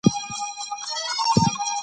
واک د خلکو د رضایت لپاره دی.